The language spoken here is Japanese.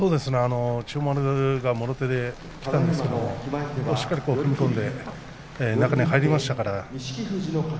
千代丸がもろ手で、きたんですがしっかりと踏み込んで中に入りましたから。